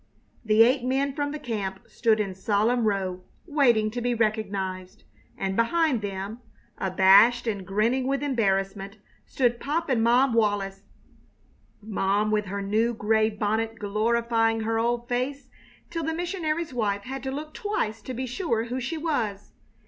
The eight men from the camp stood in solemn row, waiting to be recognized, and behind them, abashed and grinning with embarrassment, stood Pop and Mom Wallis, Mom with her new gray bonnet glorifying her old face till the missionary's wife had to look twice to be sure who she was.